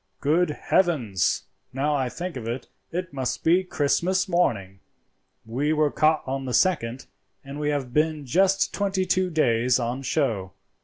Good heavens! now I think of it, it must be Christmas morning. We were caught on the second, and we have been just twenty two days on show.